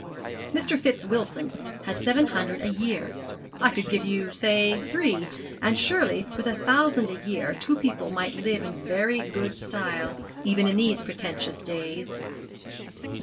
Mr. Fitz Wilson has seven hundred a year. I could give you say three; and surely with a thousand a year two young people might live in very good style even in these pretentious days.'